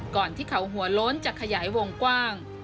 ก่อนที่เขาหัวโล้นจะขยายวงกว้าง